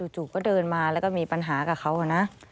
จู่ก็เดินมาแล้วก็มีปัญหากับเขานะ